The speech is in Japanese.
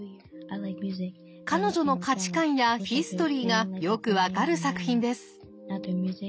彼女の価値観やヒストリーがよく分かる作品です。